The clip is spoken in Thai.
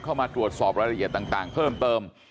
เข้ามาตรวจสอบรายละเอียดต่างเพิ่มเติม